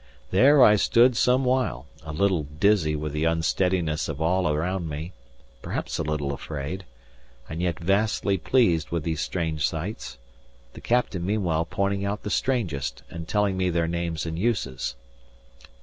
There I stood some while, a little dizzy with the unsteadiness of all around me, perhaps a little afraid, and yet vastly pleased with these strange sights; the captain meanwhile pointing out the strangest, and telling me their names and uses.